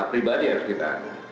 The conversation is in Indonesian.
hak pribadi harus kita